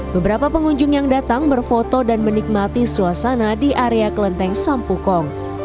beberapa pengunjung yang datang berfoto dan menikmati suasana di area kelenteng sampukong